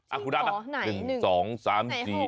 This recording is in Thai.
อ่ะคุณได้มั้ย๑๒๓๔จริงหรอไหน